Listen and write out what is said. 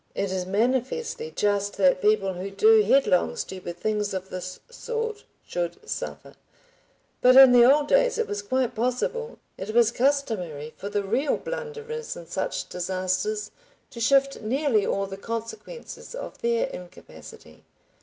It is manifestly just that people who do headlong stupid things of this sort should suffer, but in the old days it was quite possible, it was customary for the real blunderers in such disasters, to shift nearly all the consequences of their incapacity.